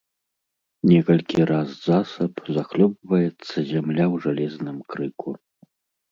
Некалькі раз засаб захлёбваецца зямля ў жалезным крыку.